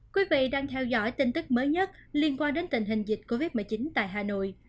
quý vị đang theo dõi tin tức mới nhất liên quan đến tình hình dịch covid một mươi chín tại hà nội